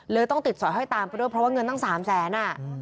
ต้องติดสอยห้อยตามไปด้วยเพราะว่าเงินตั้ง๓แสน